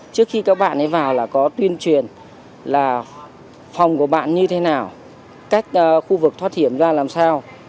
trước khi các bạn ấy vào là có tuyên truyền là phòng của bạn như thế nào cách khu vực thoát hiểm ra làm sao